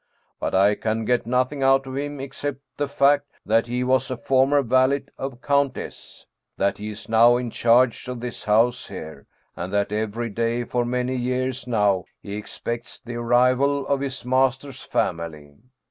But I can get nothing out of him except the fact that he was a former valet of Count S., that he is now in charge of this house here, and that every day for many years now he expects the arrival of his master's family.